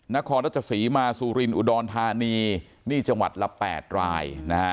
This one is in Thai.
นครรัชศรีมาสุรินอุดรธานีนี่จังหวัดละ๘รายนะฮะ